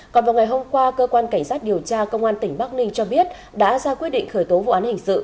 còn vào ngày hôm qua cơ quan cảnh sát điều tra công an tỉnh bắc ninh cho biết đã ra quyết định khởi tố vụ án hình sự